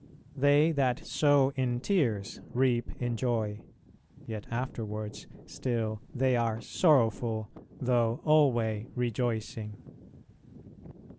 "They that sow in tears, reap in joy;" yet afterwards still they are "sorrowful," though "alway rejoicing."